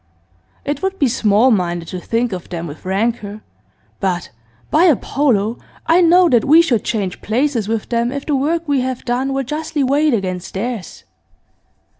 It would be small minded to think of them with rancour, but, by Apollo! I know that we should change places with them if the work we have done were justly weighed against theirs.